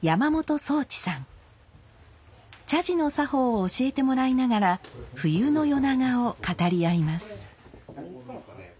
茶事の作法を教えてもらいながら冬の夜長を語り合います。